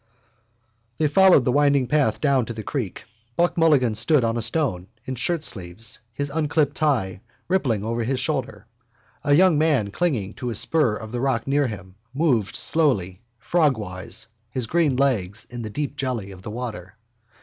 They followed the winding path down to the creek. Buck Mulligan stood on a stone, in shirtsleeves, his unclipped tie rippling over his shoulder. A young man clinging to a spur of rock near him, moved slowly frogwise his green legs in the deep jelly of the water.